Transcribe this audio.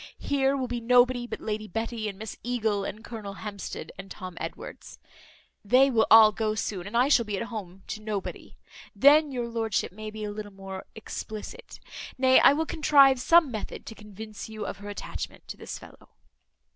Here will be nobody but Lady Betty, and Miss Eagle, and Colonel Hampsted, and Tom Edwards; they will all go soon and I shall be at home to nobody. Then your lordship may be a little more explicit. Nay, I will contrive some method to convince you of her attachment to this fellow."